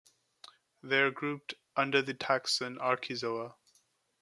They are grouped under the taxon, Archezoa.